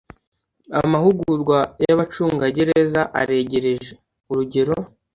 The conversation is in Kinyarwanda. Amahugurwa y abacungagereza arengeje urugero